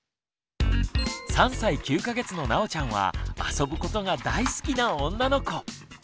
３歳９か月のなおちゃんは遊ぶことが大好きな女の子。